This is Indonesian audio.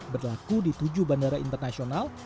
berlaku di tujuh bandara internasional